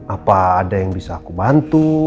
apa ada yang bisa aku bantu